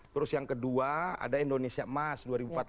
terus yang kedua ada indonesia emas dua ribu empat puluh lima